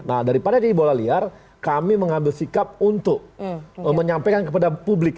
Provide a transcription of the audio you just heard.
nah daripada jadi bola liar kami mengambil sikap untuk menyampaikan kepada publik